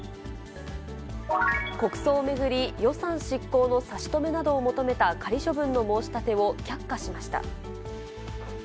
国葬を巡り、予算執行の差し止めなどを求めた仮処分の申し立てを却下しました。